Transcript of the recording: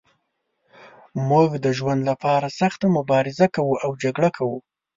موږ د ژوند لپاره سخته مبارزه کوو او جګړه کوو.